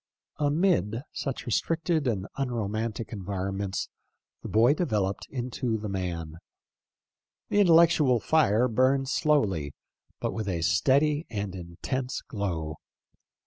Amid such restricted and unromantic environ ments the boy developed into the man. The intel lectual fire burned slowly, but with a steady and intense glow.